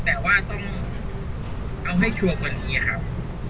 แต่ว่าต้องเอาให้ชัวร์กว่านี้ครับ